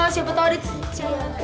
siapa tau di situ